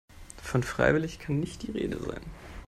Von freiwillig kann nicht die Rede sein.